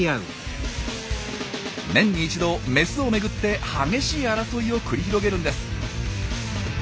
年に一度メスを巡って激しい争いを繰り広げるんです。